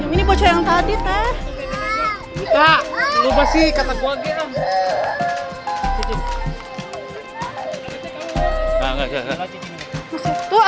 ini bocah yang tadi teh lupa sih kata keluarga